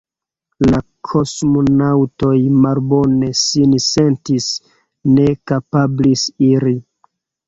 La kosmonaŭtoj malbone sin sentis, ne kapablis iri.